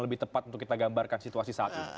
lebih tepat untuk kita gambarkan situasi saat ini